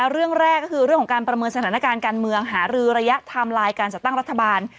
เรื่องแรกก็คือเรื่องของการประเมินสถานการณ์การเมืองหารือระยะไทม์ไลน์การจัดตั้งรัฐบาล